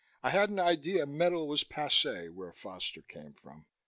I had an idea metal was passé where Foster came from.